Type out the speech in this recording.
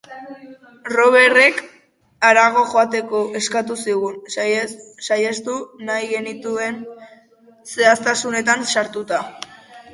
Roberrek harago joateko eskatu zigun, saihestu nahi genituen zehaztasunetan sartuta.